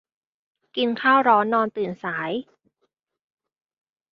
กินข้าวร้อนนอนตื่นสาย